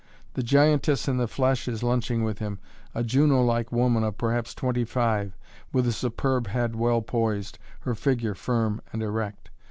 The "giantess" in the flesh is lunching with him a Juno like woman of perhaps twenty five, with a superb head well poised, her figure firm and erect.